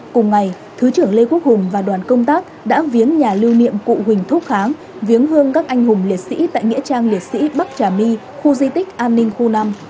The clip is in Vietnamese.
cùng ngày thứ trưởng lê quốc hùng và đoàn công tác đã viếng nhà lưu niệm cụ huỳnh thúc kháng viếng hương các anh hùng liệt sĩ tại nghĩa trang liệt sĩ bắc trà my khu di tích an ninh khu năm